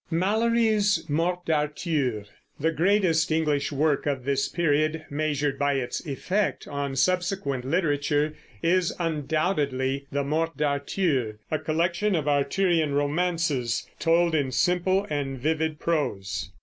MALORY'S MORTE D'ARTHUR. The greatest English work of this period, measured by its effect on subsequent literature, is undoubtedly the Morte d'Arthur, a collection of the Arthurian romances told in simple and vivid prose.